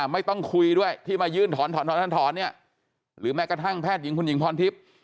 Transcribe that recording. ไม่ต้องคุยด้วยที่มายื่นถอนถอนเนี่ยหรือแม้กระทั่งแพทย์หญิงคุณหญิงพรทิพย์